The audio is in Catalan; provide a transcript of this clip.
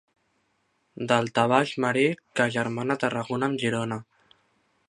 Daltabaix marí que agermana Tarragona amb Girona.